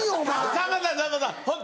さんまさん